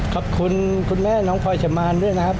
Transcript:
ขอบคุณคุณแม่น้องพลอยชะมานด้วยนะครับ